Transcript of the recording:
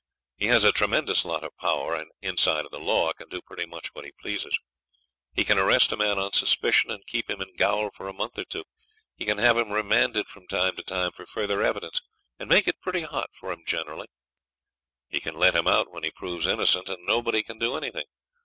He has a tremendous lot of power, and, inside of the law, can do pretty much what he pleases. He can arrest a man on suspicion and keep him in gaol for a month or two. He can have him remanded from time to time for further evidence, and make it pretty hot for him generally. He can let him out when he proves innocent, and nobody can do anything.